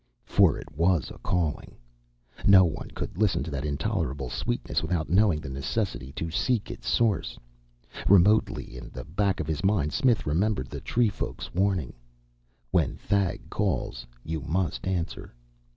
For it was a calling. No one could listen to that intolerable sweetness without knowing the necessity to seek its source. Remotely in the back of his mind Smith remembered the tree folk's warning, "When Thag calls, you must answer."